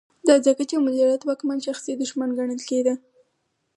دا ځکه چې مجرم د واکمن شخصي دښمن ګڼل کېده.